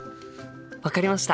分かりました。